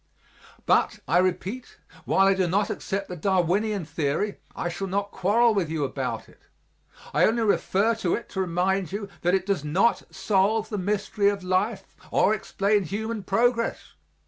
But, I repeat, while I do not accept the Darwinian theory I shall not quarrel with you about it; I only refer to it to remind you that it does not solve the mystery of life or explain human progress.